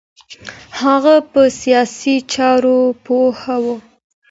هغه په سیاسی چارو پوه و